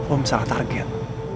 om salah target